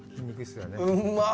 うんまっ。